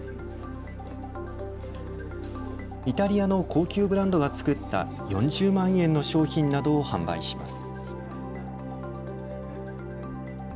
イタリアの高級ブランドが作った４０万円の商品などを販売します。